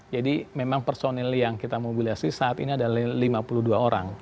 jadi memang personil yang kita mobilasi saat ini adalah lima puluh dua orang